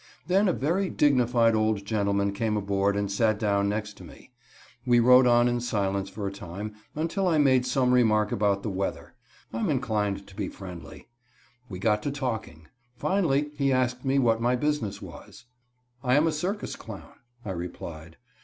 Then a very dignified old gentleman came aboard and sat down next to me. We rode on in silence for a time until I made some remark about the weather. I am inclined to be friendly. We got to talking. Finally he asked me what my business was. "I am a circus clown," I replied.